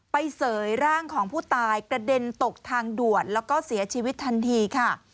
เสยร่างของผู้ตายกระเด็นตกทางด่วนแล้วก็เสียชีวิตทันทีค่ะ